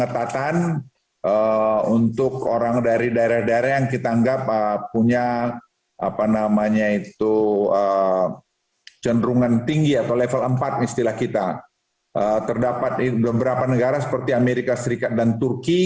terdapat beberapa negara seperti amerika serikat dan turki